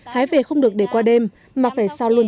hái về không được để qua đêm mà phải sau lúc